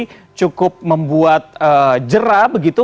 apakah tadi cukup membuat jera begitu